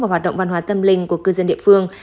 và hoạt động văn hóa tâm linh của cư dân địa phương